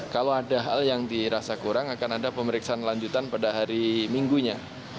kalau ada hal yang dirasa kurang akan ada pemeriksaan lanjutan pada hari minggunya